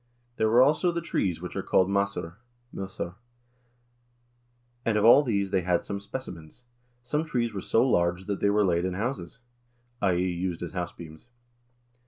There were also the trees which are called masiir (mQsurr), and of all these they had some specimens. Some trees were so large that they were laid in houses" (i.e. used as house beams).